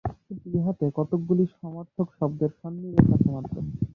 কিন্তু ইহাতে কতকগুলি সমার্থক শব্দের সন্নিবেশ আছে মাত্র।